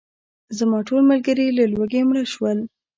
زما ټول ملګري له لوږې مړه شول.